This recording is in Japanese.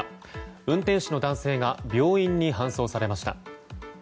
運転手の男性が病院に搬送されました。